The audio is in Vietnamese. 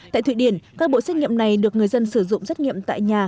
tại thụy điển các bộ xét nghiệm này được người dân sử dụng xét nghiệm tại nhà